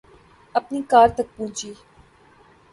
اپنی کار تک پہنچی